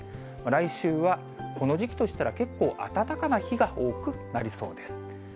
来週はこの時期としたら結構、暖かな日が多くなりそうです。